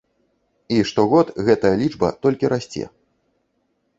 І штогод гэтая лічба толькі расце.